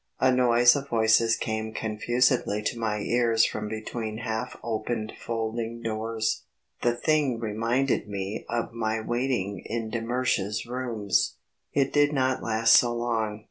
A noise of voices came confusedly to my ears from between half opened folding doors; the thing reminded me of my waiting in de Mersch's rooms. It did not last so long.